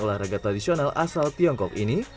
olahraga tradisional asal tiongkok ini